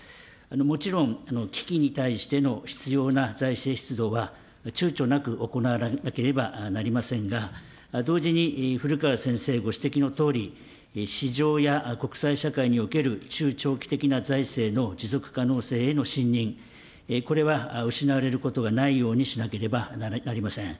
もちろん危機に対しての必要な財政出動はちゅうちょなく行われなければなりませんが、同時に古川先生ご指摘のとおり、市場や国際社会における中長期的な財政の持続可能性への信認、これは失われることがないようにしなければなりません。